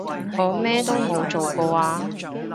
我乜都冇做過啊